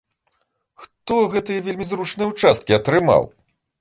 Хто гэтыя вельмі зручныя ўчасткі атрымаў?